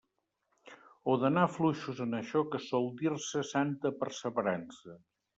O d'anar fluixos en això que sol dir-se santa perseverança.